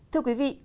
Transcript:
thưa quý vị